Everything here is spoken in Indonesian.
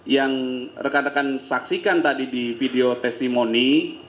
yang rekan rekan saksikan tadi di video testimoni